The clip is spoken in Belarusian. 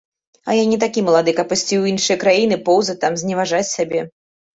А я не такі малады, каб ісці ў іншыя краіны, поўзаць там, зневажаць сябе.